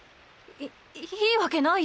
いいいわけないよ。